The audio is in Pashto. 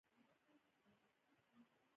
دا انحراف له درې څخه تر څلورو ثانیو پورې وي